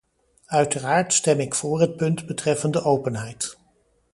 Uiteraard stem ik voor het punt betreffende openheid.